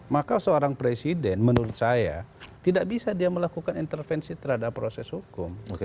maka seorang presiden menurut saya tidak bisa dia melakukan intervensi terhadap proses hukum